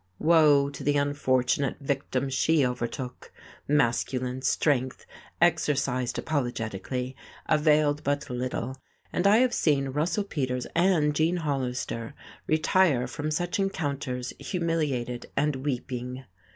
Woe to the unfortunate victim she overtook! Masculine strength, exercised apologetically, availed but little, and I have seen Russell Peters and Gene Hollister retire from such encounters humiliated and weeping.